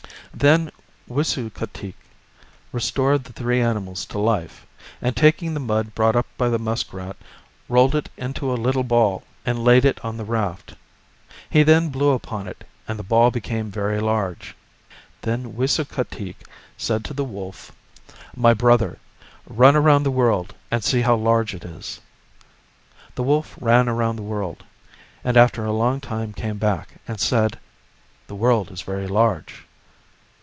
Then Wisukateak restored the three animals to life, and taking the mud brought up by the muskrat, rolled it into a little ball and laid it on the raft. He then blew upon it and the ball became very large. Then Wis ukateak said to the wolf, " My brother, run around the world, and see how large it is." The wolf ran around the world, and after a long time came back, and said, " The world is very large."